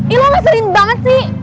ih lo gak sering banget sih